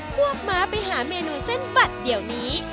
พวกม้าไปหาเมนูเส้นบัดเดี๋ยวนี้